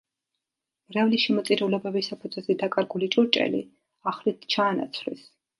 მრევლის შემოწირულობების საფუძველზე დაკარგული ჭურჭელი ახლით ჩაანაცვლეს.